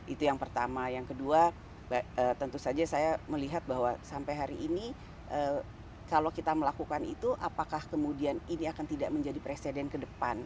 itu yang pertama yang kedua tentu saja saya melihat bahwa sampai hari ini kalau kita melakukan itu apakah kemudian ini akan tidak menjadi presiden ke depan